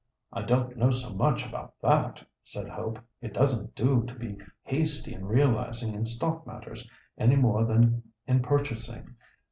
"I don't know so much about that," said Hope; "it doesn't do to be hasty in realising in stock matters any more than in purchasing.